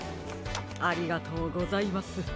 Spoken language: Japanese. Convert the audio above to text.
ありがとうございます。